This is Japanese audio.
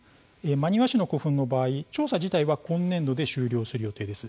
真庭市の古墳の場合は調査自体は今年度で終了する予定です。